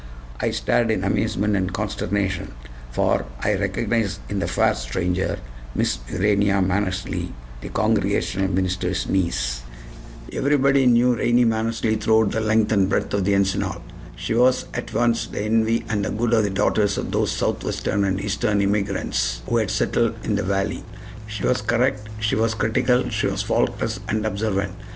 I stared in amazement and consternation; for I recognized in the fair stranger Miss Urania Mannersley, the Congregational minister's niece! Everybody knew Rainie Mannersley throughout the length and breadth of the Encinal. She was at once the envy and the goad of the daughters of those Southwestern and Eastern immigrants who had settled in the valley. She was correct, she was critical, she was faultless and observant.